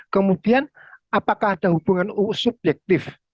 kemudian apakah ada hubungan subjektif